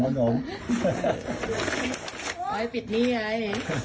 เอาให้ปิดหนี้ให้